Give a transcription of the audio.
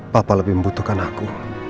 papa lebih membutuhkan aku